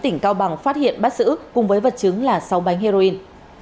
tỉnh cao bằng phát hiện bắt giữ cùng với vật chứng là sáu bánh heroin